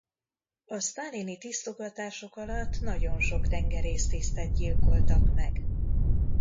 A sztálini tisztogatások alatt nagyon sok tengerész tisztet gyilkoltak meg.